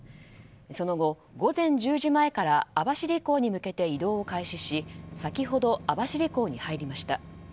その後、午前１０時前から網走港に向けて移動を開始し、先ほど網走港に入りました。